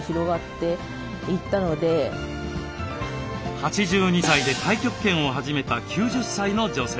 ８２歳で太極拳を始めた９０歳の女性。